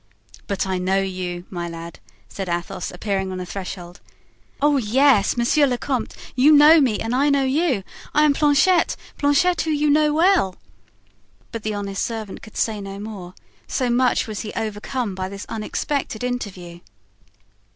"But I know you, my lad," said Athos, appearing on the threshold. "Oh, yes, monsieur le comte, you know me and I know you. I am Planchet—Planchet, whom you know well." But the honest servant could say no more, so much was he overcome by this unexpected interview.